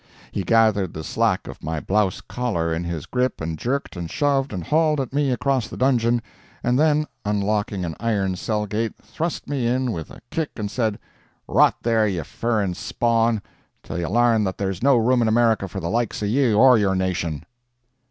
He gathered the slack of my blouse collar in his grip and jerked and shoved and hauled at me across the dungeon, and then unlocking an iron cell gate thrust me in with a kick and said: "Rot there, ye furrin spawn, till ye lairn that there's no room in America for the likes of ye or your nation."